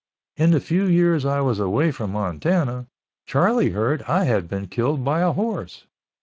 In the few years I was away from Montana, Charlie heard I had been killed by a horse.